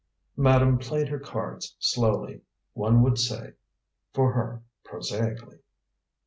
'" Madame played her cards slowly, one would say, for her, prosaically.